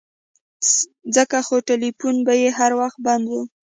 ځکه خو ټيلفون به يې هر وخت بند و.